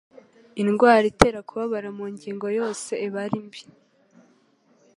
Indwara itera kubabara mu ngingo yose iba ari mbi